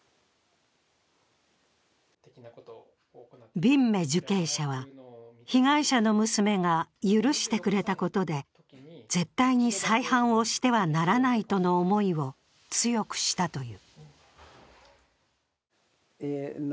ビンメ受刑者は被害者の娘が許してくれたことで絶対に再犯をしてはならないとの思いを強くしたという。